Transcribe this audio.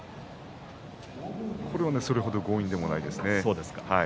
これは、それほど強引ではないですね。